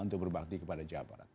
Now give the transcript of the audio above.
untuk berbakti kepada jawa barat